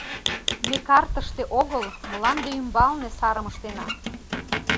— Ме картыште огыл, мланде ӱмбалне сарым ыштена...